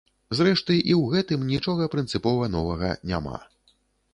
Зрэшты, і ў гэтым нічога прынцыпова новага няма.